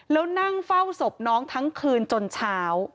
แล้วนั่งเฝ้าศพน้องทั้งคืนจนเช้า